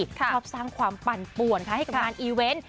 ชอบสร้างความปั่นป่วนค่ะให้กับงานอีเวนต์